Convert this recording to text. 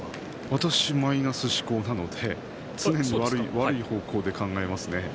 私はマイナス思考なので常に悪い方向で考えますね。